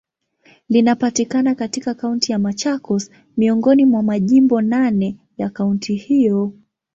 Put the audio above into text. Linapatikana katika Kaunti ya Machakos, miongoni mwa majimbo naneya kaunti hiyo.